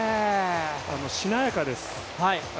しなやかです。